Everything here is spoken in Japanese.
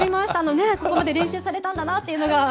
ねぇ、ここまで練習されたんだなというのが。